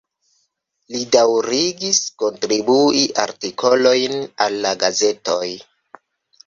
Li daŭrigis kontribui artikolojn al la gazetoj.